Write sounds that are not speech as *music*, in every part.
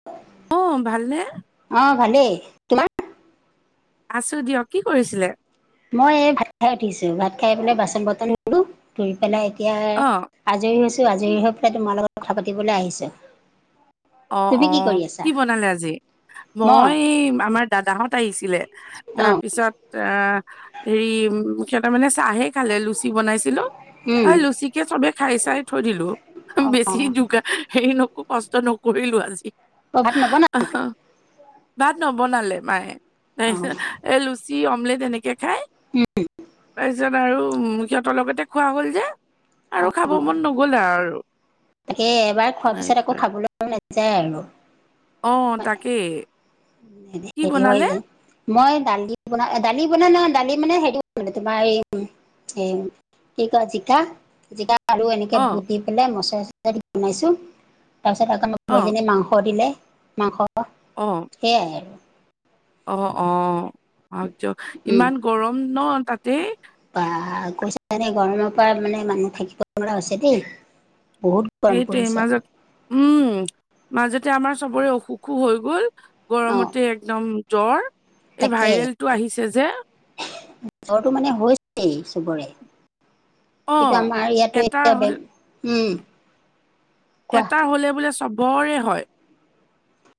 *inaudible* অ' ভালনে? অ', ভালেই। তোমাৰ আছো দিয়ক। কি কৰিছিলে? মই এই ভাত খাই উঠিছো ভাত খাই পেলাই বাচন বৰ্তন ধোলো ধোই পেলাই এতিয়া অ', আজৰি হৈছো আজৰি হৈ পেলাই তোমাৰ লগত কথা পাতিবলৈ আহিছো। অ', তুমি অ', কৰি আছা কি বনালে আজি মই এই আমাৰ দাদাহত আহিছিলে। অ তাৰপিছত অ হেৰি সিহঁতৰ মানে চাহে খালে লুচি বনাইছিলো উম হয় লুচিকে চবে খাই চাই থৈদিলো অ বেছি যোগা হেই নকৰি কষ্ট নকলো আজি অ ভাত নবনা আহ ভাত নবনালে মায়ে অ এই লুচি অমলেট এনেকে খায় তাৰপিছত আৰু সিহত অলপতে খোৱা হ'ল যে অ আৰু খাব মন নগ'ল আৰু তাকে এবাৰ খোৱাৰ পিছত আকৌ খাবলে মন নাযায় আৰু অ তাকে হেৰি হয় যায়। মই দালি বনা দালি বন ন দালি মানে হে তোমাৰ এই এই কি কয় জিকা জিক আৰু এনেকে অ', বুত দি পেলাই মছলা চচলা দি বনাইছো তাৰ পিছত আকৌ অ', পইজনী মাংস দিলে মাংস অ, সেয়াই আৰু অ অ আহক দিয়ক উম ইমান গৰম ন তাতে বা কৈছ গৰমৰ পৰা মানে মানুহ থাকিব পৰা হৈছে দেই বহুত গৰম সেইটোৱে পৰিছে মাজত উম মাজতে আমাৰ চবৰে অসুখো হৈ গ'ল অ গৰমতে একদম জ্বৰ এই তাকে ভাইৰেল টো আহিছে যে জ্বৰটো মানে হৈছেই চবৰে এইটো অ'। আমাৰ ইয়াতো এটাৰ এতিয়া ব হ'ল উম কোৱা এটা হ'লে বোলে চবৰে হয়।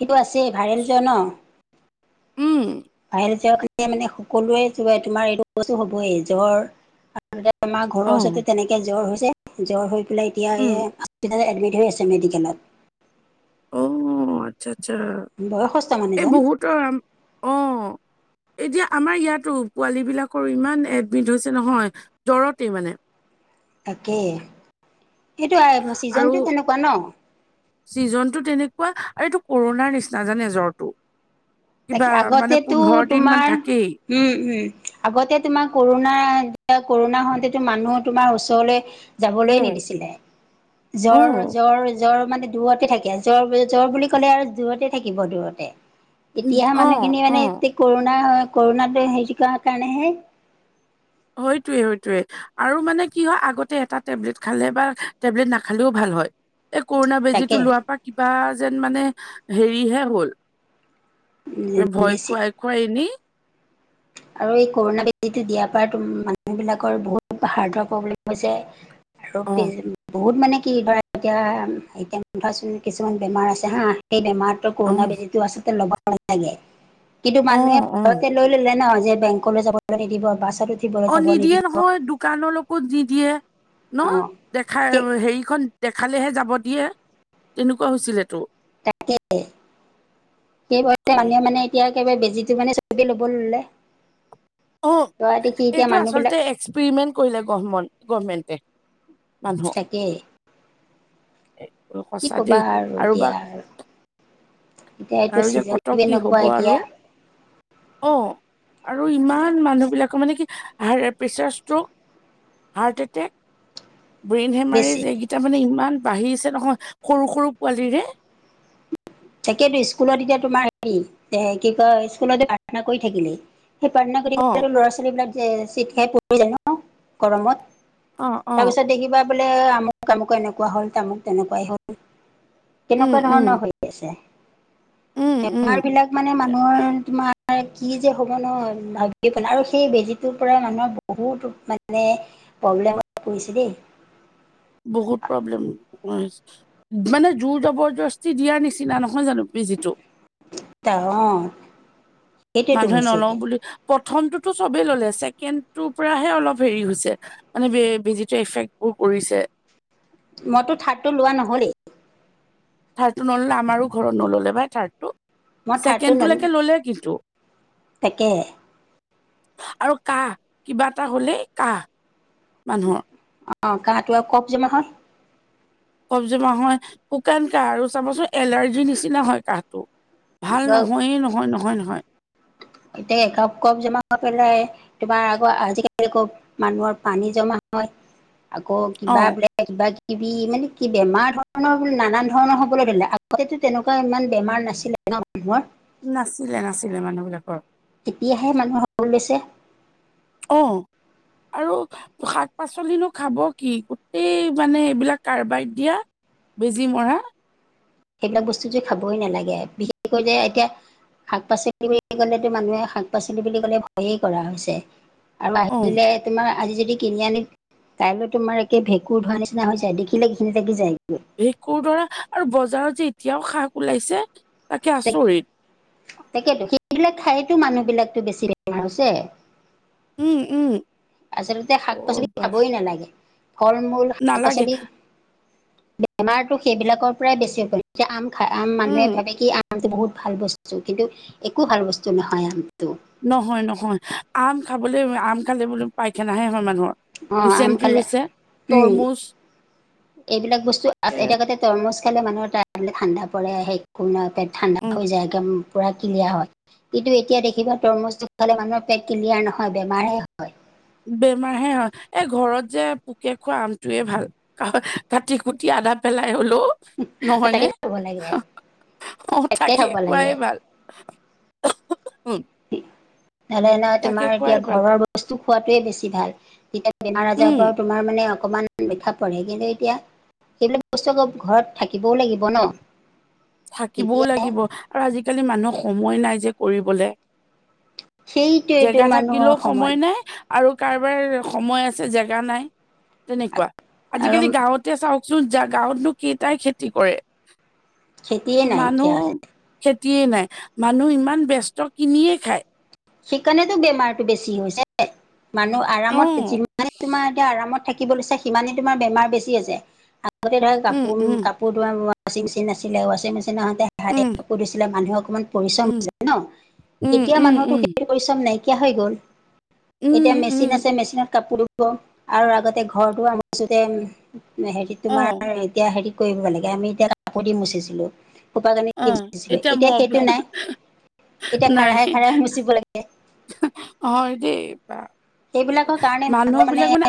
সেইটো আছেই ভাইৰেলজে ন উম, বাহ যোৱাে মানে সকলোৱে তোমাৰ এইটো বস্তু হবই জ্বৰ তাৰতে আমাৰ অ', ঘৰৰ ওচৰতে তেনেকে জ্বৰ হৈছে জ্বৰ হৈ পেলাই এতিয়া উম, এই এডমিট হৈ আছে মেডিকেলত অ আচ্ছা আচ্ছা। বয়স্ত মানুহ জন। ত অ, এতিয়া আমাৰ ইয়াতো পোৱালী বিলাকৰ ইমান এডমিট হৈছে নহয় জ্বৰতেই মানে তাকে সেইটো ছিজনটো তেনেকুৱা ন। ছিজন টো তেনেকুৱা আৰু এইটো কৰোণাৰ নিচিনা জানে জ্বৰটো। তাকে কিবা মানে আগতেতো পোন্ধৰ দিন তোমাৰ মান থাকেই। উম উম আগতে তোমাৰ কৰুণা কৰুণা হওঁতেতো মানুহ তোমাৰ ওচৰলে। যাবলে উম নিদিছিলে জ্বৰ উম জ্বৰ জ্বৰ মানে। দূৰতে থাকে জ্বৰ জ্বৰ বুলি ক'লে আৰু দূৰতে থাকিব দূৰতে। উম, এতিয়াহে অ মানুহখিনি অ মানে কৰুণা কৰুণাত হে কাৰণেহে, হয়তোৱে হয়তোৱে। আৰু মানে কি হয় আগতে এটা টেবলেট খালে বা টেবলেট নাখালেও ভাল হয়। এই কৰুণা তাকে বেজীটো লোৱাৰ পৰা কিবা যেন মানে হেৰিহে হ'ল। এ ভয় বেছি খুৱাই খুৱাই এনেই। আৰু এই কৰুণা বেজিটো দিয়াৰ পৰা মানুহবিলাকৰ বহুত হাৰ্টৰ প্ৰব্লেম হৈছে। আৰু অ পি বহুত মানে কি ধৰা এতিয়া এতিয়া মানে ধৰাচোন কিছুমান বেমাৰ আছে হা সেই বেমাৰত। অ কৰুণা বেজিটো আচলতে লব নালাগে, কিন্তু অ মানুহে অ ভয়তে লৈ ল'লে ন। বেংকলৈ যাবলৈ নিদিব বাছত উঠিবলৈ অঁ, যাব নিদিয়ে নিদিব নহয় দোকানৰলৈকো নিদিয়ে ন অ সেই দেখাই হেৰিখন দেখালেহে যাব দিয়ে, তেনেকুৱা হৈছিলে ত তাকে, সেইবাবে মানুহে মানে এতিয়া একেবাৰে বেজিটো মানে চবেই ল'ব ললে, লোৱা দেখি এতিয়া মানুহবিলাক প্ৰিমেণ্ট কৰিলে, গভম গভমেণ্টে মানুহক। তাকেই কি সঁচা ক'বা দেই, আৰু এতিয়া বা এতিয়া এইটো আৰু যে চিজনটো ক'ত কি এনেকুৱা হ'ব এতিয়া আৰু। অঁ আৰু ইমান মানুহবিলাকৰ মানে কি high pressure stroke. Heart attack, brain বেছি হেমাৰযেগ তাৰমানে ইমান বাঢ়িছে নহয় সৰু সৰু পোৱালিৰে। তাকেইেতো স্কুলত এতিয়া তোমাৰ হেৰি এ কি কয় স্কুলত প্ৰাৰ্থনা কৰি থাকিলি। সেই প্ৰাৰ্থনা কৰি অ থাকোতে ল'ৰা ছোৱালী বিলাক যে চিট খাই পৰি যায় ন গৰমত। অ অ তাৰপিছত দেখিবা বোলে আমুক আমুক এনেকুৱা হ'ল তামুক তেনেকুৱাই হ'ল। উম তেনেকুৱা উম ধৰণৰ হৈ আছে, উম উম বেমাৰ বিলাক মানে মানুহৰ তোমাৰ কি যে হ'ব ন, ভাবিয়ে পেলাই আৰু সেই বেজীটোৰ পৰাই মানুহৰ বহুত মানে প্ৰব্লেমত পৰিছে দেই। বহুত প্ৰব্লেম, মানে জোৰ জবৰদস্তি দিয়াৰ নিচিনা নহয় জানো। বিজিটো। অঁ সেইটোৱেতো মানুহে হৈছে নলওঁ এতিয়া বুলি, প্ৰথমটোতো চবেই ললে ছেকেণ্ডটোৰ পৰাহে অলপ হেৰি হৈছে। মানে বে বেজিটোৱে এফেক্ট বোৰ কৰিছে। মইতো থাৰ্ডটো লোৱা নহলেই। থাৰ্ডটো নল'লে আমাৰো ঘৰত নল'লে পাই থাৰ্ডটো। মই থাৰ্ডটো নল ছেকেণ্ডটোলৈকে ল'লে কিন্তু। তাকে আৰু কাহ কিবা এটা হ'লেই কাহ মানুহৰ। অঁ কাহঁটো আৰক কফ জমা হয়। কফ্‌ জমা হয়, শুকান কাঁহ আৰু চাবচোন এলাৰ্জিৰ নিচিনা হয় কাঁহটো। ভাল এতিয়া নহয়েই নহয় নহয় নহয়। এতিয়া কফ্‌ কফ্‌ জমা কৰি পেলাই কিবাৰ আকৌ আজিকালি মানুহৰ পানী জমা হয় আকৌ অ কিবা বোলে কিবা কিবি মানে কি বেমাৰ ধৰণৰ নানান ধৰণৰ হ'বলৈ ধৰিলে আগতেতো তেনেকুৱা ইমান বেমাৰ নাছিলে। ন মানু্হৰ নাছিলে নাছিলে মানুহ বিলাকৰ। এতিয়াহে মানুহৰ হ'বলৈ লৈছে। অঁ আৰু শাক পাচলিনো খাব কি, গোটেই মানে এইবিলাক কাৰবাইত দিয়া। বেজী মৰা। সেইবিলাক বস্তু যে খাবই নালাগে, বিশেষকৈ যে এতিয়া শাক পাচলি বুলি কলেতো মানুহে শাক পাচলি বুলি কলে ভয়েই কৰা হৈছে। আৰু অ আহিলে তোমাৰ আজি যদি কিনি আনে, কাইলে তোমাৰ একে ভেঁকুৰ ধোৱা নিচিনা হৈ যায় দেখিলে ঘিণ লাগি যায়গৈ। ভেকুৰ দাৰে আৰু বজাৰত যে এতিয়াও শাক ওলাইছে তাকে আচৰিত। তাকেতো সেইবিলাক থাইতো মানুহ বিলাকো বেছি বেমাৰ হৈছে। উম, উম। আচলতে শাক অ' পাচলি বাহ খাবই নালাগে, ফল মূল শাক নালাগে। পাচলি, বেমাৰতটো সেইবিলাকৰ পৰাই বেছি হয়। এতিয়া আমি খাই, আম মানুহে উম। ভাবে কি আমটো বহুত ভাল বস্তু, কিন্তু একো ভাল বস্তু নহয় আমটো। নহয় নহয়, আম খাবলৈ আম খালে বুলে পাইখানাহে হয় মানুহৰ অ আম ডিচেণ্ট্ৰি খালে, হৈছে উম, তৰমুজ এইবিলাক বস্তু এ এতিয়া তৰমুজ খালে মানুহৰ তাৰে ঠাণ্ডা পৰে সেই একো ন পেট ঠাণ্ডা উম হৈ যায় একদম। পূৰা ক্লিয়াৰ হয়। কিন্তু এতিয়া দেখিবা তৰমুজটো খালে মানুহৰ পেট ক্লিয়াৰ নহয়, বেমাৰ হে হয়। বেমাৰ হে হয়, এই ঘৰত যে পোকে খোৱা আমটোৱে ভাল। কাটি কুটি আদা পেলাই হলো তাকে নহয়নে? খাব লাগে অ তাকে খাব লাগে খোৱাই ভাল। উম নহলে নহয় তাকে তোমাৰ এতিয়া খোৱাই ভাল। ঘৰৰ বস্তু খোৱাটোৱে বেছি ভাল। তেতিয়া বেমাৰ আজাৰৰ উম। পৰা তোমাৰ মানে অকমান ৰক্ষা পৰে, কিন্তু এতিয়া সেইবিলাক বস্তু আকৌ ঘৰত থাকিবও লাগিব ন? থাকিবও তেতিয়া লাগিব আৰু আজিকালি মানুহক সময় নাই যে কৰিবলে। সেইটোৱেটো জেগা মানুহৰ থাকিলেও সময় নাই, আৰু কাৰোবাৰ সময় আছে জেগা নাই। তেনেকুৱা আৰু আজিকালি গাঁৱত এতিয়া চাওকচোন যা গাঁৱতনো কেইটাই খেতি কৰে? খেতিয়ে নাইকিয়া মানুহ হৈছে খেতিয়ে নাই, মানুহ ইমান ব্যস্ত, কিনিয়ে খায়। সেইকাৰণেতো বেমাৰতটো বেছি হৈছে, মানুহ অ আৰামত যিমান তোমাৰ এতিয়া আৰামত থাকিব লৈছে, সিমানে তোমাৰ বেমাৰ বেছি আছে, আগতে ধ উম কাপোৰ উম কাপোৰ ধ ৱাছিং মেচিন নাছিলে, ৱাছিং মেচিন নহওঁতে হাতে উম কাপোৰ ধুইছিলে, মানুহে অকমান পৰিশ্ৰম উম ন? উম এতিয়া উম মানুহৰ উম সেই পৰিশ্ৰম নাইকিয়া হৈ গ'ল। এতিয়া উম উম মেচিন আছে মেচিনত কাপোৰ আৰু আগতে ঘৰ দুৱাৰ মোচোতে, হেৰি অ তোমাৰ এতিয়া হেৰিত কৰিব লাগে, আমি তেতিয়া কাপোৰ দি মুচিছিলোঁ। সোপা কানী অ দিছিল। এতিয়া মই সেইটো নাই এতিয়া খাৰহে খাৰহে মুচিব লাগে। অ দেই বা, সেইবিলাকৰ কাৰণে মানুহ মানুহৰ বিলাক মানে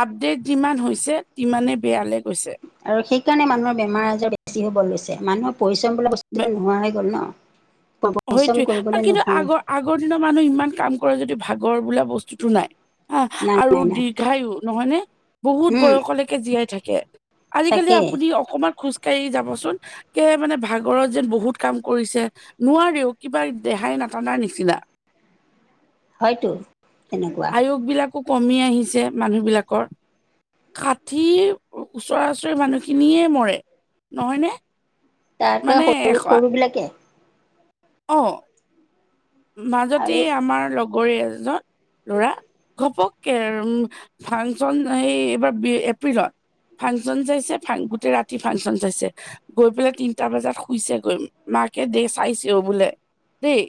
আপডেট যিমান হৈছে তিমানে বেয়ালৈ গৈছে। আৰু সেইকাৰণে মানুহৰ বেমাৰ আজাৰ বেছি হ'ব লৈছে। মানুহ পৰিশ্ৰম ব বস্তুটো নোহোৱা হৈ গ'ল ন? পৰিশ্ৰম সেইটোৱে কৰিবলৈ কিন্তু নহয় আগৰ আগৰ দিনৰ মানুহ ইমান কাম কৰে যদিও ভাগৰ বোলা বস্তুতো নাই হা নাই আৰু নাই নাই দি দীৰ্ঘায়ু নহয় নে? বহুত উম বয়সলৈকে জীয়াই থাকে। আজিকালি তাকে আপুনি অকনমান খোজ যাবচোন এ মানে ভাগৰত যেন বহুত কাম কৰিছে, নোৱাৰেও কিবা দেহাই নাটানাৰ নিচিনা। হয়তো তেনেকুৱা আয়োস বিলাক কমি আহিছে মানুহ বিলাকৰ। ষাঠি ওচৰা ওচৰি মানুহখিনিয়ে মৰে, নহয়নে? তাৰকে মানে সৰু সৰু বিলাকে অঁ মাজতে আৰু আমাৰ লগৰ এজন ল'ৰা, ঘপককে আৰু ফাংচন এই এইবাৰ বি এপ্ৰিলত ফাংচন চাইছে, গোটেই ৰাতি ফাংচন চাইছে। গৈ পেলাই তিনিটা বজাত শুইছে গৈ মাকে দেই চাইছে অহ বোলে দেই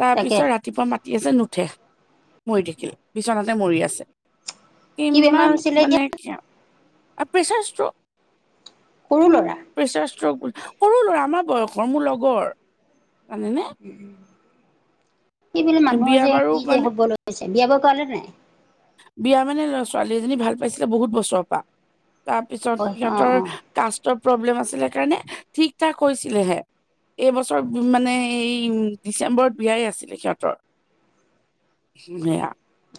তাৰ তাকে পিছত ৰাতিপুৱা মাতি আছে নুঠে মৰি থাকিল বিচনাতে মৰি আছে কি বেমাৰ কিমান হৈছিলে এতিয়া মানে কিয় আৰু প্ৰচাৰ‌ ষ্ট্ৰক সৰু ল'ৰা প্ৰেছাৰ ষ্ট্ৰক বুলি সৰু ল'ৰা আমাৰ বয়সৰ মোৰ লগৰ জানেনে সেইবিলাক মানুহৰ বিয়া যে বাৰু কি যে মানে হ'ব লৈছে বিয়া বাৰু কৰালে নাই বিয়া মানে লৰা ছোৱালী এজনী ভাল পাইছিলে বহুত বছৰৰ পৰা তাৰ পিছত হয় অঁ সিহঁতৰ অঁ কাষ্টৰ প্ৰব্লেম আছিলে কাৰণে ঠিক ঠাক হৈছিলে হে এইবছৰ মানে এই ডিচেম্বৰত বিয়াই আছিলে সিহঁতৰ ঘূনিয়া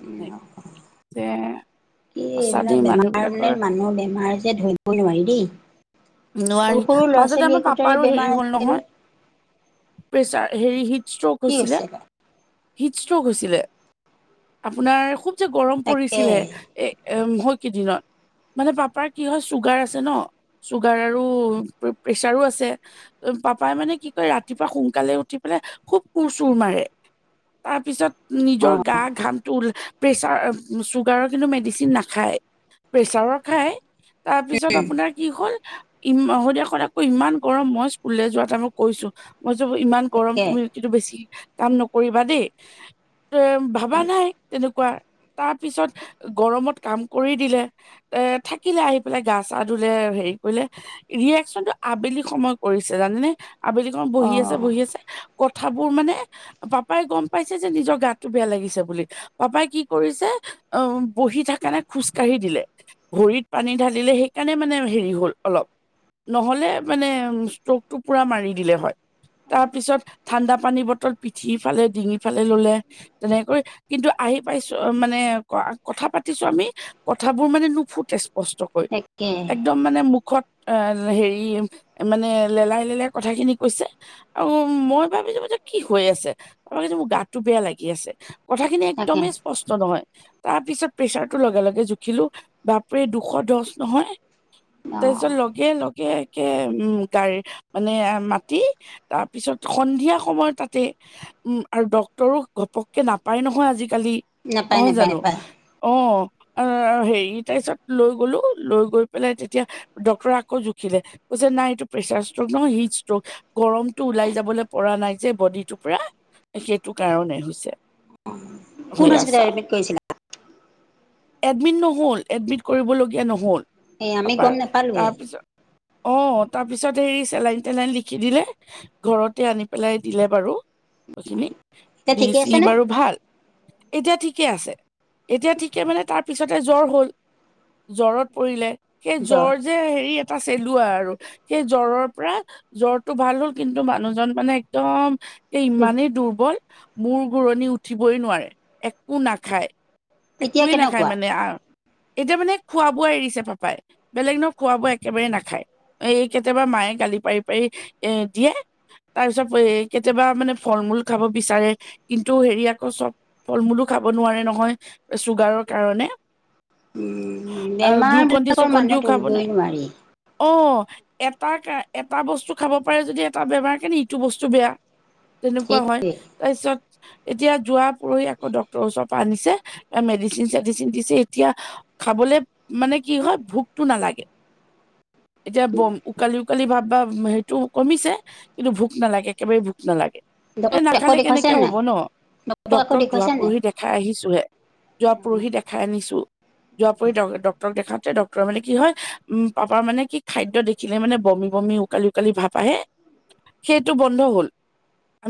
কিয় সঁচা দেই এইবিলাক মানুহ বেমাৰ বিলাকৰ মানে মানুহৰ বেমাৰ যে ধৰি ধৰিব নোৱাৰি দেই সৰু নোৱাৰি সৰু ল'ৰা মাজতে ছোৱালী আমাৰ একোটাৰে পাপাৰো হেৰি বেমাৰ হল আজিকালি নহয় প্ৰেছাৰ হেৰি হিট ষ্ট্ৰক কি হৈছিলে হৈছে বা হৃদষ্টক হৈছিলে আপোনাৰ খুব যে গৰম তাকে পৰিছিলে এ এ হল কেইদিনত মানে পাপাৰ কি হয় চুগাৰ আছে ন চুগাৰ আৰু প্ৰেছাৰো আছে অপ পাপাই মানে কি কয় ৰাতিপুৱা সোনকালে উঠি পেলাই খুব কোৰ চুৰ মাৰে তাৰপিছত নিজৰ অঁ গা ঘামটো উ প্ৰেছাৰ চুগাৰৰ কিন্তু মেডিচিন নাখায় প্ৰেছাৰৰ খায় তাৰপিছত আপোনাৰ কি হ'ল ইমান সন্ধিয়া খন আকৌ ইমান গৰম মই ইস্কুল যোৱা তাই মই কৈছো হৈ যাব যে ইমান গৰম তাকে তুমি ৰুটি বেছি কাম নকৰিবা দেই ‌এ ভাবা নাই তেনেকুৱা তাৰ পিছত গৰমত কাম কৰি দিলে এ থাকিলে আহি পেলাই গা চা ধুই ধুলে হেৰি কৰিলে ই এক্সিলি আবেলি সময়ত ‌কৰিছে জানে আবেলি অহ বহি আছে অঁ বহি আছে কথাবোৰ মানে পাপাই গম পাইছে যে নিজৰ গাতটো বেয়া লাগিছে বুলি পাপাই কি কৰিছে অহ বহি থাকা নাই খোজ কাঢ়ি দিলে ভৰিত পানী ঢালিলে সেইকাৰণে মানে হেৰি হ'ল অলপ নহ'লে মানে ষ্ট্ৰকটো পোৰা মাৰি দিলে হয় তাৰ পিছত ঠাণ্ডা পানীৰ বটল পিঠি ফালে ডিঙি ফালে ললে তেনেকৈ কিন্তু আহি পাইছোঁ মানে কথা পাতিছোঁ আমি কথাবোৰ মানে নুফুটে স্পষ্টকৈ তাকে একদম মানে মুখত এ হেৰি মানে লেলাই লেলাই কথাখিনি কৈছে আৰু মই ভাবিলোঁ মানে কি হৈ আছে তাৰ মানে‌তো গাতটো বেয়া লাগি আছে কথাখিনি তাকে একদমেই ই ইস্পষ্ট নহয় তাৰ পিছত প্ৰেচাৰটো লগে লগে জোখিলো বাপুৰে দুশ দহ নহয় অঁ তাৰপিছত লগে লগে একে উম গাড়ী মানে মাতি তাৰপিছত সন্ধিয়া সময়ত তাতে উম আৰু ডক্টৰো ঘপককে নাপায় নহয় আজিকালি নাপায় নহয় নাপায় জানো নাপায় অহ হেৰি তাৰপিছত লৈ গলোঁ লৈ গৈ পেলাই তেতিয়া ডক্টৰে আকৌ জুখিলে কৈছে নাই এইটো প্ৰেচাৰ ষ্ট্ৰক নহয় হিট ষ্ট্ৰক গৰমতো ওলাই যাবলে পৰা নাই যে বডিটোৰ পৰা সেইটো কাৰণে হৈছে কোন সেয়া হস্পিটেলত চা এডমিট কৰিছিলা এডমিট নহল এডমিট কৰিবলগীয়া নহল এই আমি গম পপাৰ নাপালোৱেই তাৰপিছত অহ তাৰপিছত হেৰি চেলাইন তেলাইন লিখি দিলে ঘৰতে আনি পেলাই দিলে বাৰু সেখিনি এতিয়া দি ঠিকে চি আছেনে বাৰু ভাল এতিয়া ঠিকে আছে এতিয়া ঠিকে মানে তাৰ পিছতে জ্বৰ হ'ল জ্বৰত পৰিলে সেই জ্বৰ যে হেৰি এটা চেলোৱা আৰু সেই জ্বৰৰ পৰা জ্বৰটো ভাল হ'ল কিন্তু মানুহজন মানে একদম এই ইমানেই দুৰ্বল মূৰ ঘূৰণি উঠিবই নোৱাৰে একো নাখায় এতিয়া একোৱে নাখায় কেনেকুৱা মানে এতিয়া মানে খোৱা বোৱা এৰিছে পা পাপাই বেলেগ ন খোৱা বোৱা একেবাৰে নাখায় এই কেতিয়াবা মায়ে গালি পাৰি পাৰি এ দিয়ে তাৰ পিছত এ কেতিয়াবা মানে ফল মূল খাব বিচাৰে কিন্তু হেৰি আক চব ফল মূলো খাব নোৱাৰে নহয় চুগাৰৰ কাৰণে উম আৰু বেমাৰ গ্লুকন দি বিলাকৰ চুকন দিও মানুহে খাব নাই ধৰিবই নোৱাৰি অ এটা এটা বস্তু খাব পাৰে যদি এটা বেমাৰ কেনে ইটো বস্তু বেয়া তেনেকুৱা হয় সেইটোৱে তাৰ পিছত এতিয়া যোৱা পৰহি আকৌ ডক্তৰৰ ওচৰৰ পৰা আনিছে বা মেডিচিন চেডিচিন দিছে এতিয়া খাবলে মানে কি হয় ভোকটো নালাগে এতিয়া বম উকালি উকালি ভাব বা সেইটো কমিছে কিন্তু ভোক নালাগে একেবাৰে ভোক নালাগে এ ডক্টৰক আকৌ নাখালে দেখুৱাইছে কেনেকে হব নাই ন ডক্টৰক আকৌ ডক্তৰক যোৱা দেখুৱাইছে নাই? পৰহি দেখ দেখাই আহিছো হে যোৱা পৰহি দেখাই আনিছো যোৱা পৰহি ড ডক্তৰ ডক্তৰ দেখাওঁতে ডক্তৰ মানে কি হয় উম পাপাৰ মানে কি খাদ্য দেখিলে মানে বমি বমি উকালি উকালি ভাপ আহে সেইটো বন্ধ হ'ল